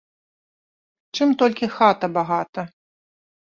Чым толькі хата багата.